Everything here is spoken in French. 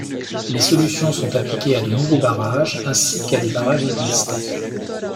Les solutions sont appliquées à de nouveaux barrages ainsi qu'à des barrages existants.